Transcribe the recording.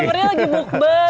sebenarnya lagi bukber